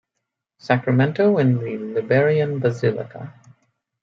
Sacramento in the Liberian basilica.